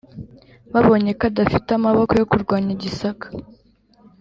babonye ko badafite amaboko yo kurwanya gisaka,